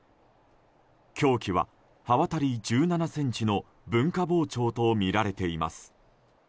凶器は刃渡り１７ｃｍの文化包丁とみられています。